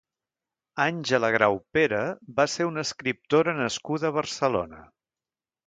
Àngela Graupera va ser una escriptora nascuda a Barcelona.